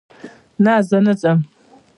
نه، زه نه ځم